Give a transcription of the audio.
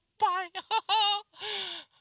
アハハ！